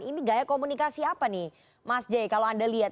ini gaya komunikasi apa nih mas j kalau anda lihat